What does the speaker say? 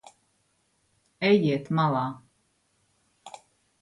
Ejiet malā.